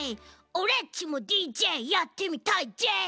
オレっちもＤＪやってみたいじぇ！